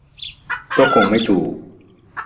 ก็คงไม่ถูก